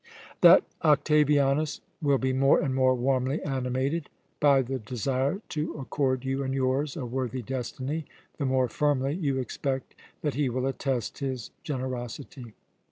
"That Octavianus will be more and more warmly animated by the desire to accord you and yours a worthy destiny, the more firmly you expect that he will attest his generosity."